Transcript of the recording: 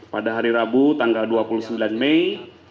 pada hari rabu tanggal dua puluh sembilan mei